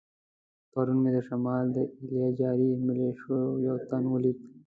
پرون مې د شمال د ایله جاري ملیشو یو تن ولید.